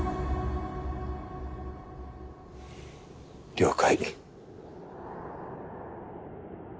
了解